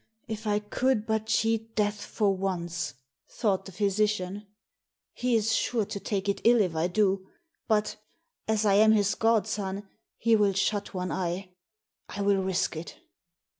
"If I could but cheat Death for once," thought the physician, "he is sure to take it ill if I do, but, as I am his godson, he will shut one eye; I will risk it."